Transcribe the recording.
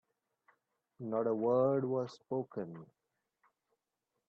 Not a word was spoken.